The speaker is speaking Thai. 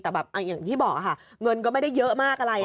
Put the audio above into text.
แต่แบบอย่างที่บอกค่ะเงินก็ไม่ได้เยอะมากอะไร